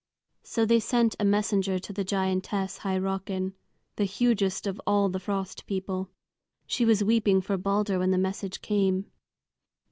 So they sent a messenger to the giantess Hyrrockin, the hugest of all the Frost People. She was weeping for Balder when the message came.